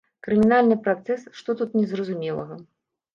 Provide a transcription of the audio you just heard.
Крымінальны працэс, што тут не зразумелага?